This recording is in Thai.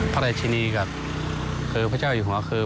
พระราชินีกับเกอร์พระเจ้าอยู่ของกระเกอร์